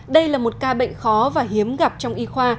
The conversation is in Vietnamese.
đây là một ca bệnh khó và hiếm gặp trong y khoa